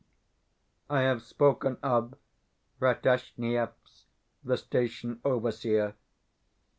I have spoken of Rataziaev's "The Station Overseer".